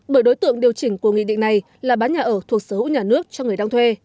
bởi đối tượng điều chỉnh của nghị định này là bán nhà ở thuộc sở hữu nhà nước cho người đang thuê